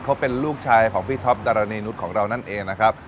เขาเป็นลูกชายของพี่ท็อปดารณีนุษย์ของเรานั่นเองนะครับ